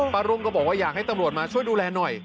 รุ่งก็บอกว่าอยากให้ตำรวจมาช่วยดูแลหน่อย